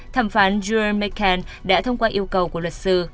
thẩm phán jure mccann đã thông qua yêu cầu của luật sư